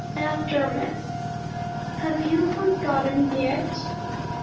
AFTERMATH _Have you forgotten yet?